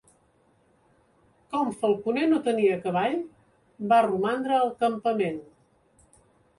Com Falconer no tenia cavall, va romandre al campament.